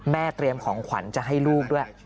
เตรียมของขวัญจะให้ลูกด้วย